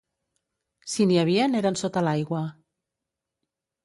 Si n'hi havien eren sota l'aigua.